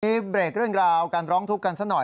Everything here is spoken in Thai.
เบรกเรื่องราวการร้องทุกข์กันสักหน่อย